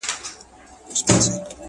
په ژبه خپل په هدیره او په وطن به خپل وي٫